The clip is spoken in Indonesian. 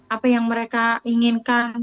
apa yang mereka inginkan